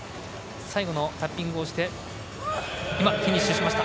最後のタッピングをしてフィニッシュしました。